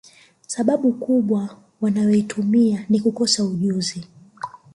Sababu kubwa wanayoitumia ni kukosa ujuzi